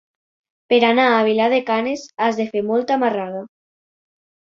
Per anar a Vilar de Canes has de fer molta marrada.